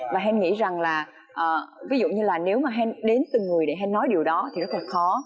và hèn nghĩ rằng là ví dụ như là nếu mà hèn đến từng người để hèn nói điều đó thì rất là khó